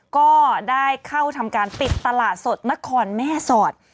ก็ได้เข้าทำการปิดตลาดสดนครแม่สอด